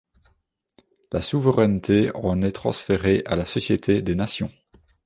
La souveraineté en est transférée à la Société des Nations.